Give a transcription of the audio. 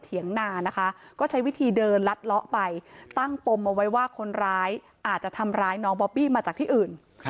นานะคะก็ใช้วิธีเดินลัดเลาะไปตั้งปมเอาไว้ว่าคนร้ายอาจจะทำร้ายน้องบอบบี้มาจากที่อื่น